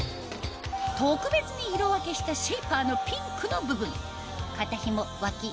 特別に色分けしたシェイパーのピンクの部分肩紐ワキ